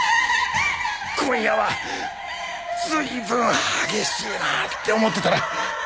今夜は随分激しいなって思ってたら。